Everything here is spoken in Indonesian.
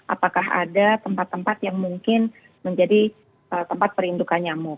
apakah ada tempat tempat yang mungkin menjadi tempat perindukan nyamuk